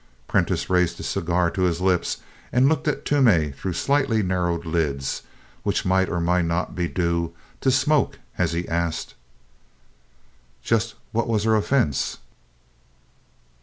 Prentiss raised his cigar to his lips and looked at Toomey through slightly narrowed lids which might or might not be due to smoke as he asked: "Just what was her offense?"